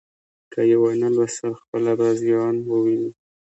که یې ونه ولوستل، خپله به زیان وویني.